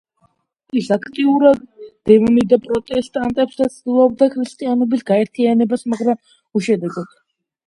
ის აქტიურად დევნიდა პროტესტანტებს და ცდილობდა ქრისტიანობის გაერთიანებას, მაგრამ უშედეგოდ.